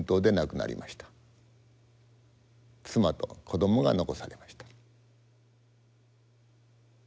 妻と子どもが残されました。